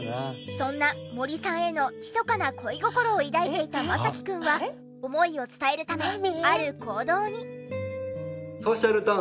そんな森さんへのひそかな恋心を抱いていたマサキくんは思いを伝えるためある行動に。